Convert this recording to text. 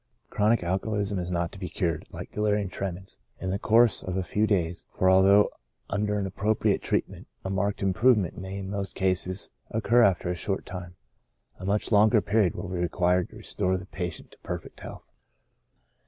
Chronic alcoholism is not to be cured, like delirium tre mens, in the course of a few days ; for although under an appropriate treatment a marked improvement may in most cases occur after a short time, a much longer period will be required to restore the patient to perfect health.